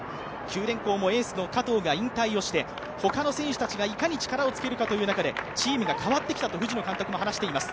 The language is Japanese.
九電工もエースの加藤が引退をしてほかの選手たちがいかに力をつけるかという中でチームが変わってきたと藤野監督も話しています。